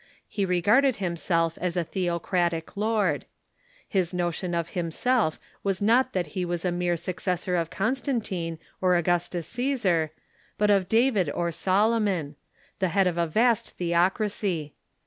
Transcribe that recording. He regarded himself as a theocratic lord. His notion of himself was not that he was a mere ^''^M^uf^d"*'^ successor of Constantine or Augustus Ccesar, but of David or Solomon — the head of a vast theoc racy.